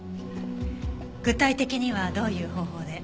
具体的にはどういう方法で？